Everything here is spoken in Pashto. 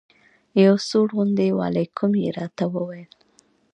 یو سوړ غوندې وعلیکم یې راته وویل.